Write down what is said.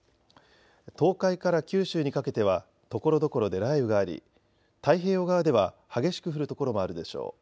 東海から九州にかけてはところどころで雷雨があり太平洋側では激しく降る所もあるでしょう。